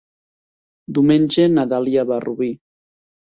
Diumenge na Dàlia va a Rubí.